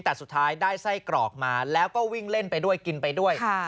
แต่สุดท้ายได้ไส้กรอกมาแล้วก็วิ่งเล่นไปด้วยกินไปด้วย